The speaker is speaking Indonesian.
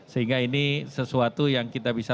sehingga ini sesuatu yang kita bisa